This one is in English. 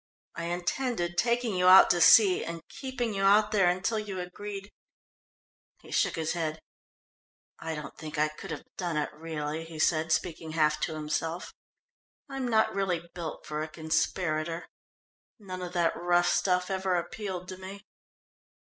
I intended taking you out to sea and keeping you out there until you agreed " he shook his head. "I don't think I could have done it really," he said, speaking half to himself. "I'm not really built for a conspirator. None of that rough stuff ever appealed to me.